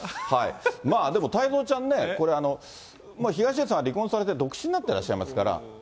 でも太蔵ちゃんね、これ、東出さんは離婚されて独身になってらっしゃいますから。